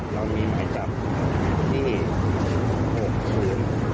เรามีหมายจับที่๖๐๘